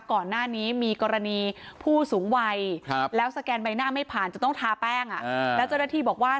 ก่อนหน้านี้มีกรณีผู้สูงวัยแล้วสแกนใบหน้าไม่ผ่านจะต้องทาแป้งแล้วเจ้าหน้าที่บอกว่า